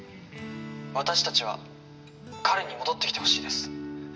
「私たちは彼に戻ってきてほしいです」